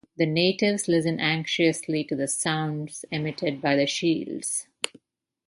The natives listen anxiously to the sounds emitted by the shields.